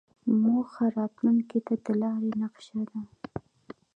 موخه راتلونکې ته د لارې نقشه ده.